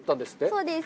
そうです。